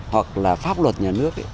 hoặc là pháp luật nhà nước